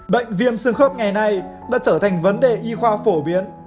bệnh viêm xương khớp ngày nay đã trở thành vấn đề y khoa phổ biến